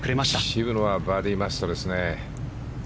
渋野はバーディーマストですね。